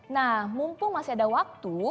nah mumpung masih ada waktu